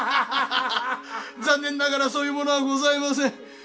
残念ながらそういうものはございません。